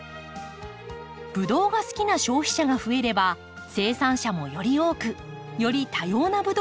ブドウが好きな消費者が増えれば生産者もより多くより多様なブドウをつくることができる。